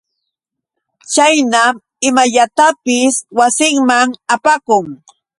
Chaynam imallatapis wasinman apakun.